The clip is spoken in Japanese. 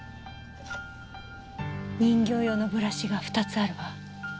人形用のブラシが２つあるわ。